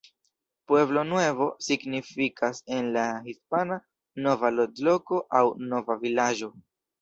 Pueblo Nuevo signifas en la hispana "nova loĝloko" aŭ "nova vilaĝo".